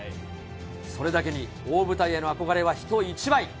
それだけに、大舞台への憧れは人一倍。